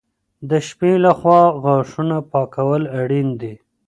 د شپې لخوا غاښونه پاکول اړین دي.